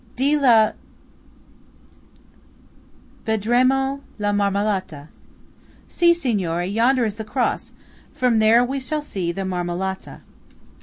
Di là vedremo la Marmolata." (See, Signore! Yonder is the cross! From there we shall see the Marmolata.")